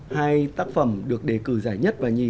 hai tác phẩm được đề cử giải nhất và nhì